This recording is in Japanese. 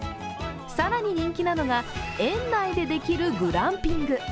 更に人気なのが園内でできるグランピング。